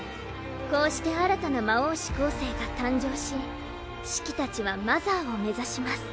こうして新たな魔王四煌星が誕生しシキたちはマザーを目指します。